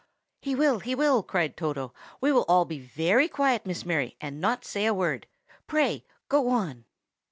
"He will, he will!" cried Toto. "We will all be very quiet, Miss Mary, and not say a word. Pray go on."